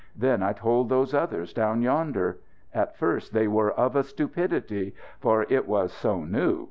Then I told those others, down yonder. At first they were of a stupidity. For it was so new.